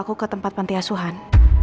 aku ke tempat pantiasuhan